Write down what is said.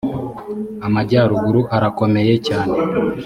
amajyaruguru arakomeye cyane